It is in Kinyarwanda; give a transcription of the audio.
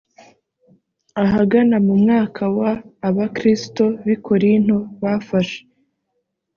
ahagana mu mwaka wa abakristo b i korinto bafashe